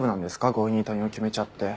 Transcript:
強引に退院を決めちゃって。